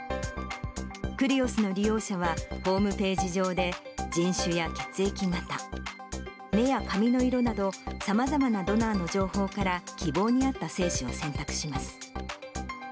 クリオスの利用者は、ホームページ上で人種や血液型、目や髪の色など、さまざまなドナーの情報から、希望に合った精子を選択します。